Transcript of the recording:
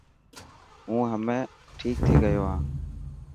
هون همي ٺيڪ ٿي گيو هان